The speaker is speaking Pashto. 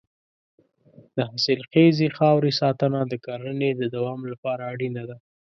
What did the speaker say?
د حاصلخیزې خاورې ساتنه د کرنې د دوام لپاره اړینه ده.